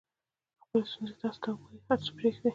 خپلې ستونزې تاسو ته ووایي هر څه پرېږدئ.